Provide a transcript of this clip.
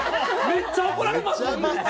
めっちゃ怒られます。